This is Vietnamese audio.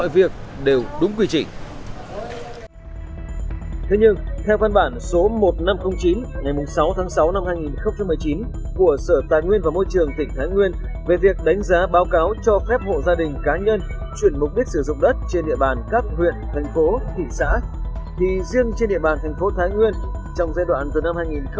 thì riêng trên địa bàn thành phố thái nguyên trong giai đoạn từ năm hai nghìn một mươi sáu đến năm hai nghìn một mươi tám